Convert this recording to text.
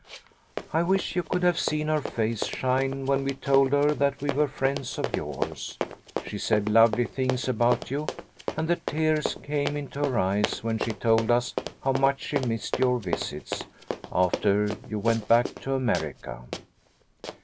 I wish you could have seen her face shine when we told her that we were friends of yours. She said lovely things about you, and the tears came into her eyes when she told us how much she missed your visits, after you went back to America.